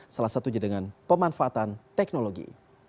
salah satunya dengan pemanfaatan teknologi